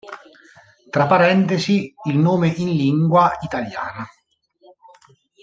Tra parentesi il nome in lingua italiana.